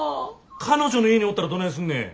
彼女の家におったらどないすんねん。